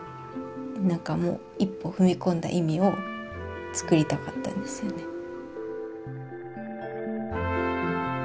なんかもう一歩踏み込んだ意味を作りたかったんですよね。